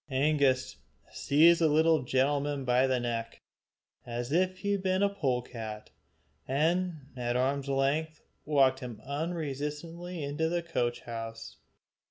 Angus seized the little gentleman by the neck, as if he had been a polecat, and at arm's length walked him unresistingly into the coach house.